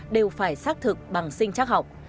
đều phải xác thực bằng sinh chắc học